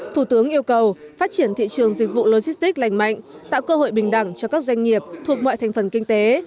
thủ tướng yêu cầu phát triển thị trường dịch vụ logistics lành mạnh tạo cơ hội bình đẳng cho các doanh nghiệp thuộc mọi thành phần kinh tế